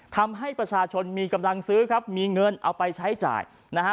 ทำให้ประชาชนมีกำลังซื้อครับมีเงินเอาไปใช้จ่ายนะฮะ